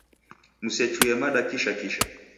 Musechuye mada kisha kisha.